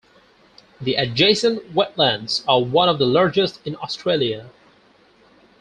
The adjacent wetlands are one of the largest in Australia.